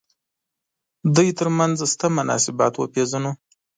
دوی تر منځ شته مناسبات وپېژنو.